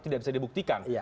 tidak bisa dibuktikan